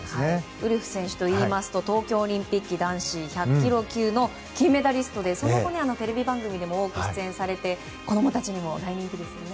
ウルフ選手といいますと東京オリンピック男子１００ｋｇ級の金メダリストでその後、テレビ番組にも多く出演されまして大人気ですね。